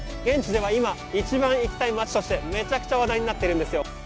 現地では今、一番行きたい街としてめちゃくちゃ話題になってるんですよ。